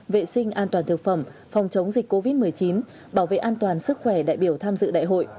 vệ sinh an toàn thực phẩm phòng chống dịch covid một mươi chín bảo vệ an toàn sức khỏe đại biểu tham dự đại hội